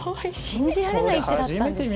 信じられない一手だったんです。